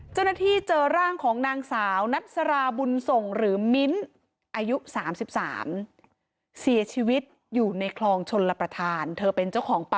เจ้าหน้าที่เจอร่างของนางสาว